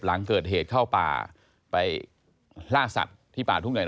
หลังเกิดเหตุเข้าป่าไปล่าสัตว์ที่ป่าทุ่งใหญ่